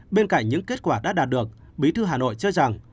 bên cạnh những kết quả đã đạt được bí thư hà nội cho rằng